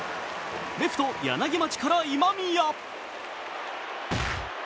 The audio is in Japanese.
レフト・柳町から今宮。